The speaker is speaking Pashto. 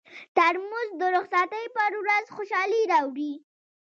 ترموز د رخصتۍ پر ورځ خوشالي راوړي.